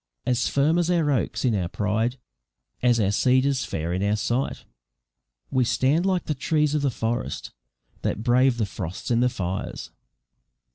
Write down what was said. As firm as our oaks in our pride, as our cedars fair in our sight, We stand like the trees of the forest that brave the frosts and the fires."